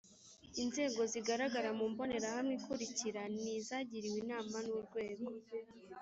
Inzego zigaragara mu mbonerahamwe ikurikira ni izagiriwe inama n Urwego